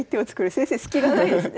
先生スキがないですね。